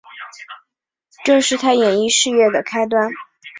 这是她演艺事业的开端。